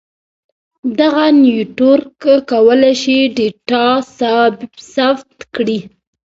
دغه نیټورک کولای شي ډاټا ثبت کړي.